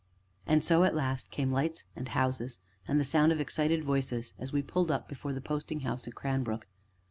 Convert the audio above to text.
And so at last came lights and houses, and the sound of excited voices as we pulled up before the Posting House at Cranbrook.